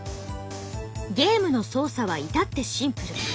ゲームの操作は至ってシンプル。